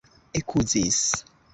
ekuzis